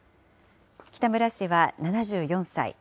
北村氏は７４歳。